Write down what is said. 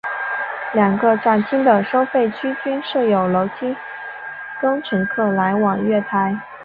两个站厅的收费区均设有楼梯供乘客来往月台。